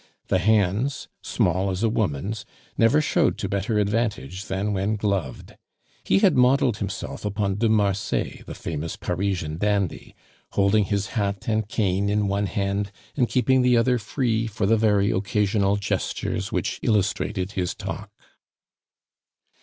The hands, small as a woman's, never showed to better advantage than when gloved. He had modeled himself upon de Marsay, the famous Parisian dandy, holding his hat and cane in one hand, and keeping the other free for the very occasional gestures which illustrated his talk.